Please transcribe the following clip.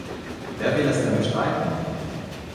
Wer will es denn bestreiten?